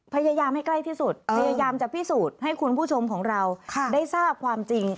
พยายามให้ใกล้ที่สุดพยายามจะพิสูจน์ให้คุณผู้ชมของเราได้ทราบความจริง